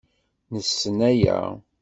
Nessen aya.